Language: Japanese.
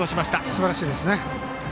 すばらしいですね。